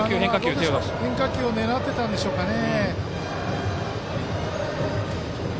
今のは変化球を狙ってたんでしょうかね。